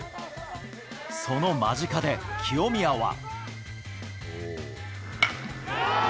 その間近で清宮は。